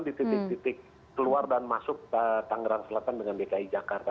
di titik titik keluar dan masuk tangerang selatan dengan dki jakarta